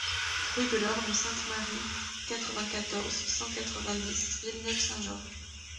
Rue de l'Orme Sainte-Marie, quatre-vingt-quatorze, cent quatre-vingt-dix Villeneuve-Saint-Georges